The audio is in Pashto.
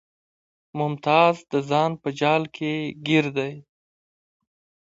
ممتاز د ځان په جال کې ګیر دی